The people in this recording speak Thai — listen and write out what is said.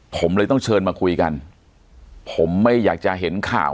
ผมเลยต้องเชิญมาคุยกันผมไม่อยากจะเห็นข่าว